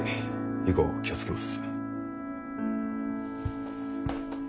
以後気を付けます。